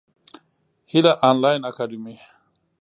هیله انلاین اکاډمي.